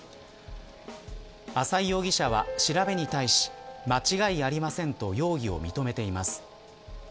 浅井容疑者は調べに対し間違いありませんと容疑を認めています。